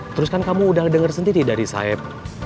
terus kan kamu udah denger sendiri dari saeb